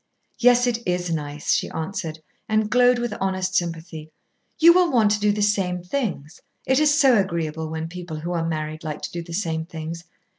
"Yes. It is nice," she answered, and glowed with honest sympathy. "You will want to do the same things. It is so agreeable when people who are married like to do the same things.